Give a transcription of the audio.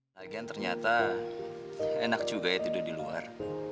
lagian ternyata enak juga ya tidur di luar